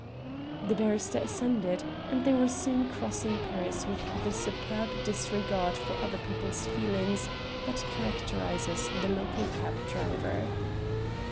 The barrister assented, and they were soon crossing Paris with the superb disregard for other people's feelings that characterises the local cab driver.